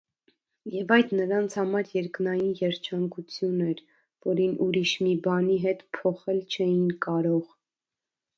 Եվ այդ նրանց համար երկնային երջանկություն էր, որին ուրիշ մի բանի հետ փոխել չէին կարող: